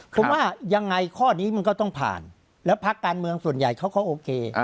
ผมว่ายังไงข้อนี้มันก็ต้องผ่านแล้วพักการเมืองส่วนใหญ่เขาก็โอเค